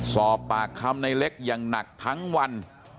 สอบปากคำในเล็กอย่างหนักทั้งวัน